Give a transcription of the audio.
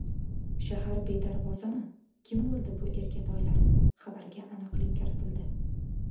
"Shahar bedarvozami? Kim bo‘ldi bu erkatoylar?" xabariga aniqlik kiritildi